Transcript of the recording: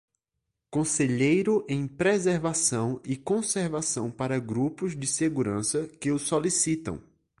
Conselheiro em preservação e conservação para grupos de segurança que o solicitam.